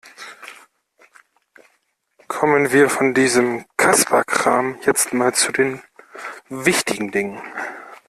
Kommen wir von diesem Kasperkram jetzt mal zu den wichtigen Dingen.